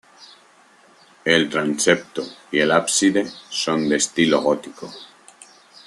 El transepto y el ábside son de estilo gótico.